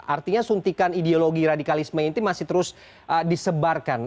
artinya suntikan ideologi radikalisme ini masih terus disebarkan